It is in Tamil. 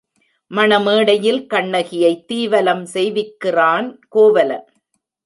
மணமேடையில் கண்ணகியைத் தீ வலம் செய்விக்கிறான் கோவலன்.